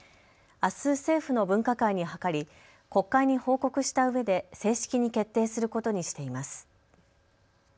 あす、政府の分科会に諮り国会に報告したうえで正式に決定することにしています。